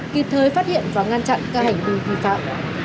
kịp thời phát hiện và ngăn chặn các hành vi vi phạm